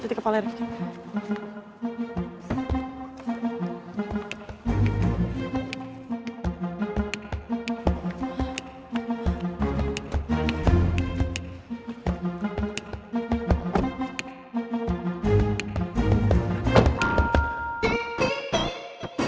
tuh di kepala dia